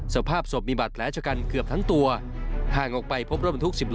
สภาพศพมีบาดแผลชะกันเกือบทั้งตัวห่างออกไปพบรถบรรทุก๑๐ล้อ